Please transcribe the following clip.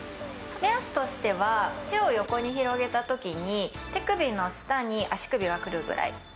目安としては、手を横に広げたときに手首の下に足首が来るぐらい。